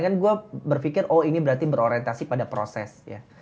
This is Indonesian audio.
kan gue berpikir oh ini berarti berorientasi pada proses ya